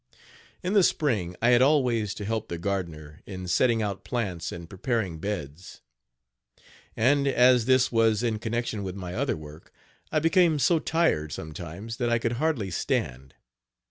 In the spring I had always to help the gardner in setting out plants and preparing beds; and, as this was in connection with my other work, I became so tired sometimes that I could hardly stand.